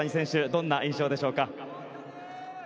どんな印象でしょうか。